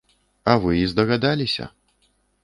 А вы і здагадаліся.